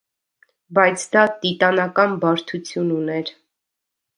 Բայց դա տիտանական բարդություն ուներ։